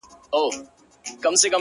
ماتيږي چي بنگړي- ستا په لمن کي جنانه-